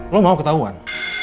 lo mau ketahuan